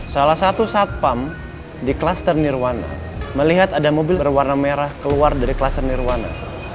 salah satu satpam di kluster nirwana melihat ada mobil berwarna merah keluar dari kluster nirwana